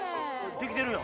できてるやん！